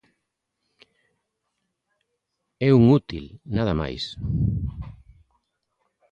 É un útil, nada máis.